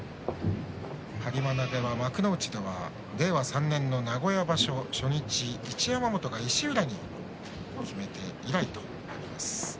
はりま投げは幕内では令和３年の名古屋場所初日に一山本が石浦に決めて以来ということです。